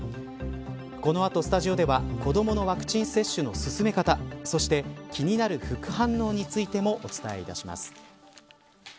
この後、スタジオでは子どものワクチン接種の進め方そして気になる副反応についてもお伝えいたします。